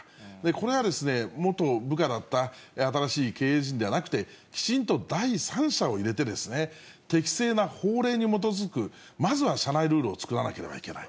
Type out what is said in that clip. これは元部下だった新しい経営陣ではなくて、きちんと第三者を入れて、適正な法令に基づくまずは社内ルールを作らなければいけない。